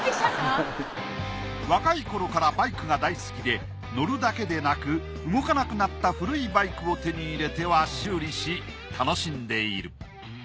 若い頃からバイクが大好きで乗るだけでなく動かなくなった古いバイクを手に入れては修理し楽しんでいる。